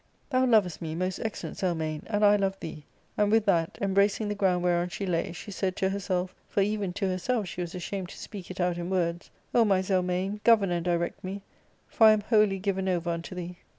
Thou lovest me, most ex cellent Zelmane, and I love thee;" and with that, embracing the. ground whereon she lay, she said to herself (for even to herself she was ashamed to speak it out in words), " O my Zelmane, govern and direct me ; for I am wholly given over unto thee.